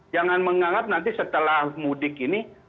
jangan menganggap nanti setelah mudik ini